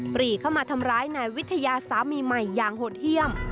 ปรีเข้ามาทำร้ายนายวิทยาสามีใหม่อย่างโหดเยี่ยม